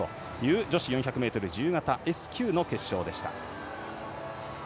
女子４００ｍ自由形Ｓ９の決勝でした。